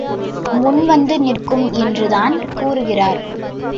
முன்வந்து நிற்கும் என்று தான் கூறுகிறார்.